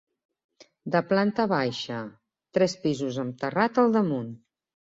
De planta baixa, tres pisos amb terrat al damunt.